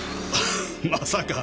まさか。